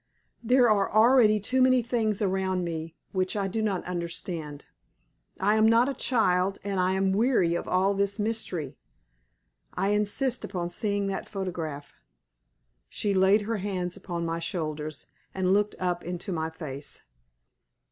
"There are already too many things around me which I do not understand. I am not a child, and I am weary of all this mystery. I insist upon seeing that photograph." She laid her hands upon my shoulders, and looked up into my face.